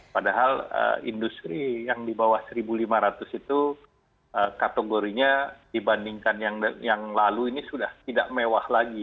padahal industri yang di bawah satu lima ratus itu kategorinya dibandingkan yang lalu ini sudah tidak mewah lagi